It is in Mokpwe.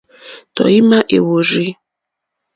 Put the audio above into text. Tɔ̀ímá èhwórzí.